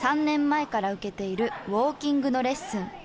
３年前から受けているウォーキングのレッスン。